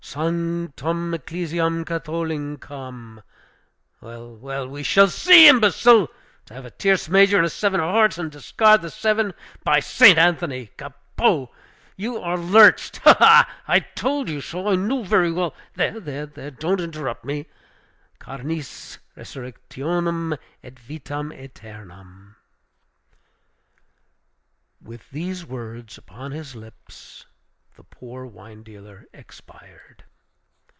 Sanctam ecclesiam catholicam Well, well, we shall see. Imbecile! to have a tierce major and a seven of hearts, and discard the seven! By St. Anthony, capot! You are lurched, ha! ha! I told you so. I knew very well, there, there, don't interrupt me Carnis resurrectionem et vitam eternam!" With these words upon his lips, the poor wine dealer expired.